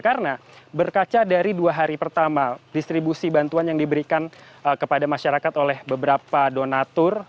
karena berkaca dari dua hari pertama distribusi bantuan yang diberikan kepada masyarakat oleh beberapa donatur